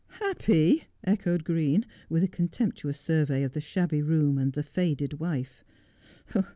' Happy !' echoed Green, with a contemptuous survey of the shabby room and the faded wife.